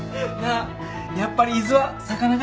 やっぱり伊豆は魚が新鮮だな。